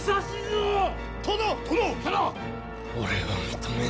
俺は認めぬ。